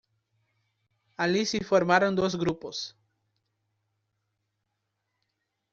Allí se formaron dos grupos.